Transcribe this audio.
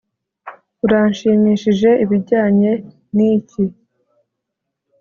uranshimishije ibijyanye ni ki